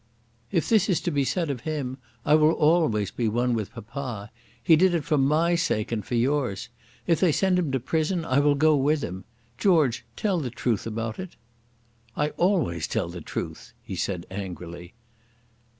"If this is to be said of him I will always be one with papa. He did it for my sake and for yours. If they send him to prison I will go with him. George, tell the truth about it." "I always tell the truth," he said angrily.